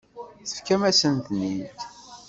Tefkam-asen-ten-id.